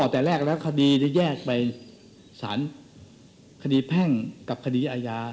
แต่แรกแล้วคดีจะแยกไปสารคดีแพ่งกับคดีอาญา